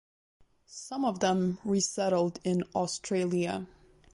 Some of them resettled in Australia.